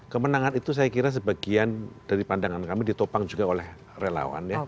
kemenangan itu saya kira sebagian dari pandangan kami ditopang juga oleh relawan ya